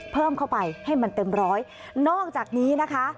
เพิ่มเข้าไปให้มันเต็มร้อยนอกจากนี้นะคะ